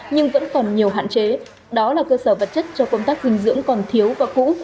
nhưng vẫn còn nhiều hạn chế đó là cơ sở vật chất cho công tác dinh dưỡng còn thiếu và cũ